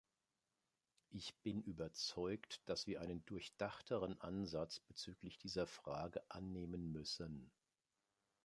Ich bin überzeugt, dass wir einen durchdachteren Ansatz bezüglich dieser Frage annehmen müssen.